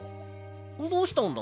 どうしたんだ？